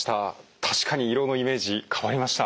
確かに胃ろうのイメージ変わりました。